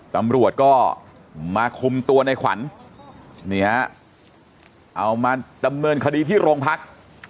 ตำรวจก็มาคุมตัวในขวัญนี่ฮะเอามาดำเนินคดีที่โรงพัก